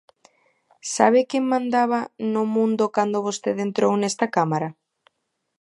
¿Sabe quen mandaba no mundo cando vostede entrou nesta Cámara?